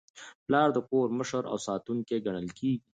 پلار د کور مشر او ساتونکی ګڼل کېږي.